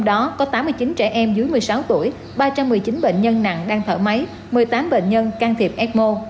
trong đó có tám mươi chín trẻ em dưới một mươi sáu tuổi ba trăm một mươi chín bệnh nhân nặng đang thở máy một mươi tám bệnh nhân can thiệp ecmo